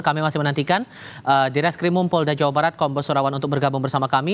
kami masih menantikan di reskrimum polda jawa barat kombes surawan untuk bergabung bersama kami